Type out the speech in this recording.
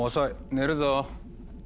寝るぞ。